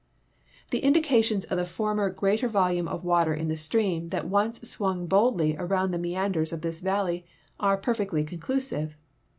(See Plate V.) Tlie indications of the former greater volume of water in the stream tliat once swung boldly around tbe meanders of this valley are perfectly conclusive.